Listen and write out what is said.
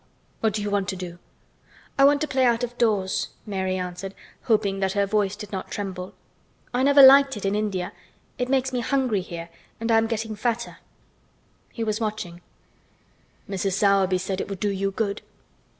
"What do you want to do?" "I want to play out of doors," Mary answered, hoping that her voice did not tremble. "I never liked it in India. It makes me hungry here, and I am getting fatter." He was watching her. "Mrs. Sowerby said it would do you good.